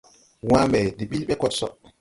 Wãã mbe de ɓil ɓe koɗ so.